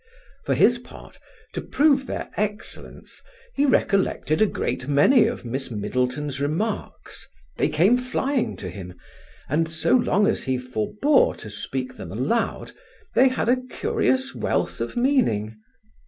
For his part, to prove their excellence, he recollected a great many of Miss Middleton's remarks; they came flying to him; and so long as he forbore to speak them aloud, they had a curious wealth of meaning.